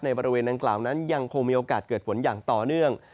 บริเวณดังกล่าวนั้นยังคงมีโอกาสเกิดฝนอย่างต่อเนื่อง